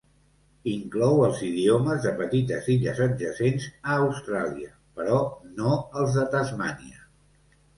Inclou els idiomes de petites illes adjacents a Austràlia, però no els de Tasmània.